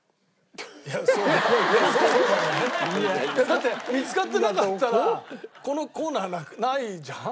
だって見つかってなかったらこのコーナーないじゃん。